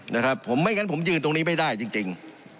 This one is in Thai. ไม่อย่างงั้นผมยืนตรงนี้ไม่ได้จริง